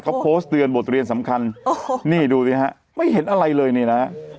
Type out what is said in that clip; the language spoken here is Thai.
เขาโพสต์เตือนบทเรียนสำคัญโอ้โหนี่ดูสิฮะไม่เห็นอะไรเลยนี่นะฮะ